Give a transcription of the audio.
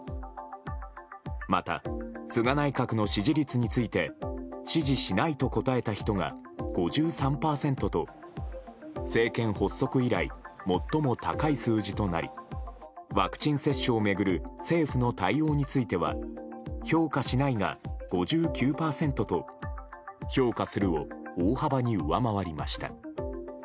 また、菅内閣の支持率について支持しないと答えた人が５３％と政権発足以来最も高い数字となりワクチン接種を巡る政府の対応については評価しないが５９％と評価するを大幅に上回りました。